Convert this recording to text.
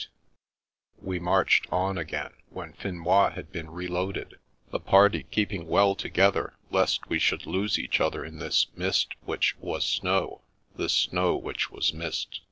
288 The Princess Passes We marched on again when Finois had been re loaded, the party keeping well together, lest we should lose each other in this mist which was snow, this snow which was mist.